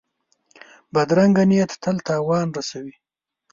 بدرنګه نیت تل تاوان رسوي